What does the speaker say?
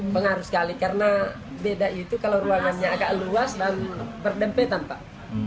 pengaruh sekali karena beda itu kalau ruangannya agak luas dan berdempetan pak